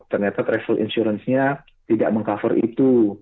ternyata travel insurance nya tidak meng cover itu